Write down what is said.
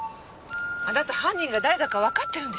あなた犯人が誰だかわかってるんでしょう？